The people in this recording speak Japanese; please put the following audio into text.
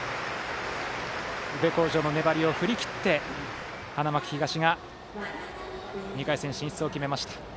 宇部鴻城の粘りを振り切って花巻東が２回戦進出を決めました。